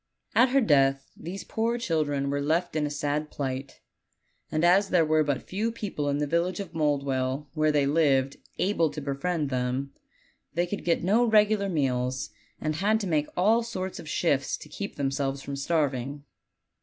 At her death these poor children were left in a sad plight; and as there were but few people in the village of Mouldwell, where they lived, able to befriend them, they could get no regular meals, and had to make all sorts of shifts to keep themselves from starving.